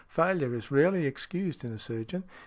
"Failure is rarely excused in a surgeon.